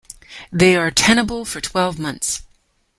They are tenable for twelve months.